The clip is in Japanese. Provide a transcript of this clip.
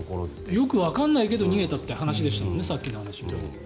よくわからないけど逃げたっていう話でしたもんねさっきの。